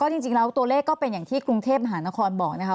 จริงแล้วตัวเลขก็เป็นอย่างที่กรุงเทพมหานครบอกนะคะ